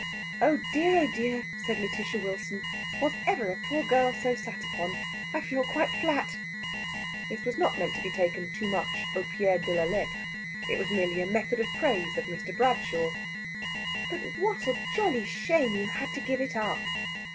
"Oh dear, oh dear!" said Lætitia Wilson. "Was ever a poor girl so sat upon? I feel quite flat!" This was not meant to be taken too much au pied de la lettre. It was merely a method of praise of Mr. Bradshaw. "But what a jolly shame you had to give it up!"